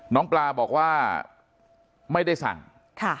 น้องปลาบอกว่าไม่ได้สั่งค่ะ